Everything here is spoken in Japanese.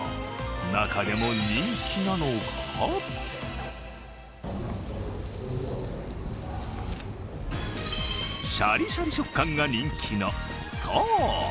中でも人気なのがシャリシャリ食感が人気の爽。